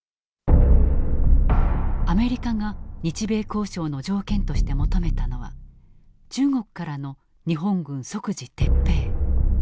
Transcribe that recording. アメリカが日米交渉の条件として求めたのは中国からの日本軍即時撤兵。